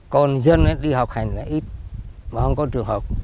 còn dân đi học hành là ít mà không có trường học